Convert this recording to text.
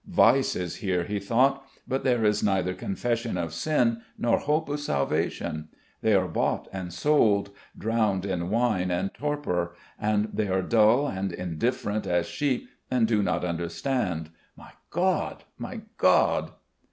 "Vice is here," he thought; "but there is neither confession of sin nor hope of salvation. They are bought and sold, drowned in wine and torpor, and they are dull and indifferent as sheep and do not understand. My God, my God!"